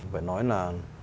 phải nói là